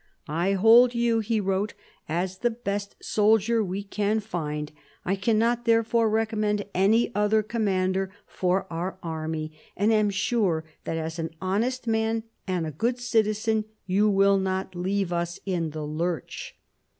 " I hold you," he wrote, "as the best soldier we can find; I cannot therefore recommend any other commander for our army, and am sure that as an honest man and a good citizen you will not leave us in the lurch."